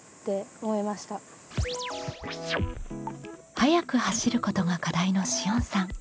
「速く走ること」が課題のしおんさん。